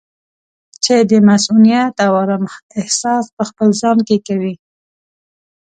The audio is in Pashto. د مصؤنیت او ارام احساس پخپل ځان کې کوي.